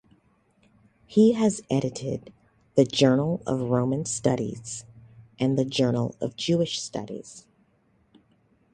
He has edited the Journal of Roman Studies, and the Journal of Jewish Studies.